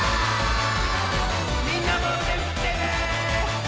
みんなもうでふってね！